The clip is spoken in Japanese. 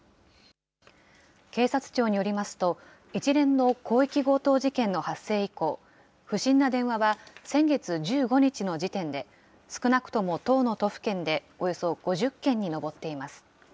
警察庁によりますと、一連の広域強盗事件の発生以降、不審な電話は先月１５日の時点で、少なくとも１０の都府県で、およそ５０件に上っています。